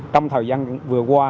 trong thời gian vừa qua